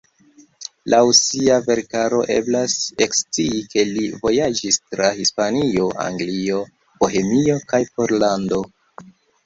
Laŭ sia verkaro eblas ekscii ke li vojaĝis tra Hispanio, Anglio, Bohemio kaj Pollando.